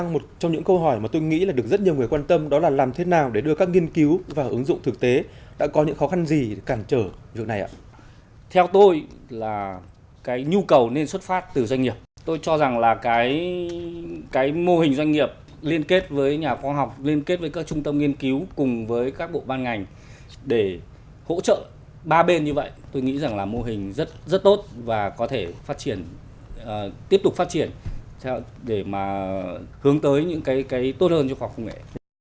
mô hình rất tốt và có thể tiếp tục phát triển để hướng tới những cái tốt hơn cho khoa học công nghệ